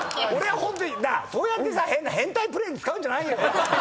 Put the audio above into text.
そうやってさ変な変態プレーに使うんじゃないよ！